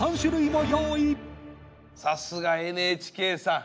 さすがＮＨＫさん。